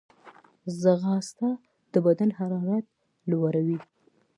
ځغاسته د بدن حرارت لوړوي